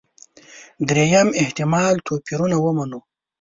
درېیم احتمال توپيرونه ومنو.